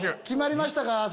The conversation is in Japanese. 決まりましたか？